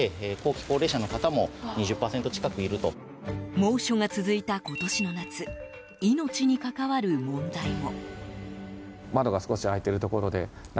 猛暑が続いた今年の夏命に関わる問題も。